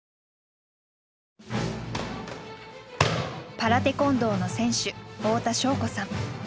パラテコンドーの選手太田渉子さん。